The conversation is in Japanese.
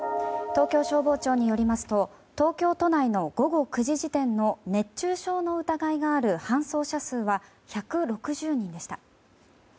東京消防庁によりますと東京都内の午後９時時点の熱中症の疑いがある搬送者数は１６０人でした。